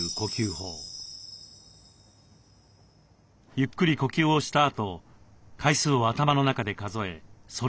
ゆっくり呼吸をしたあと回数を頭の中で数えそれを繰り返す。